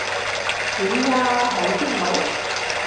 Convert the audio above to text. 點呀？好啲冇？